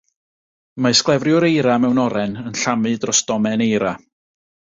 Mae sglefriwr eira mewn oren yn llamu dros domen eira.